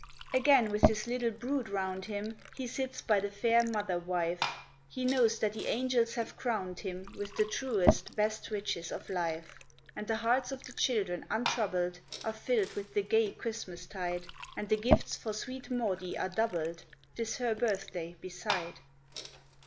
Again, with his little brood 'round him, He sits by the fair mother wife; He knows that the angels have crowned him With the truest, best riches of life; And the hearts of the children, untroubled, Are filled with the gay Christmas tide; And the gifts for sweet Maudie are doubled, Tis her birthday, beside.